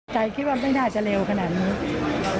คิดว่าไม่น่าจะเร็วขนาดนี้